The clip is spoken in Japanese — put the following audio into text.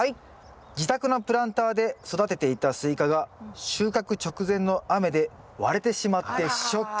「自宅のプランターで育てていたスイカが収穫直前の雨で割れてしまってショック」。